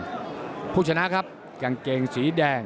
สุภาษณ์อัศวินาฬิกาศาสุภาษณ์